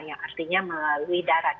yang artinya melalui darat